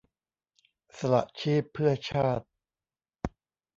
สละชีพเพื่อชาติ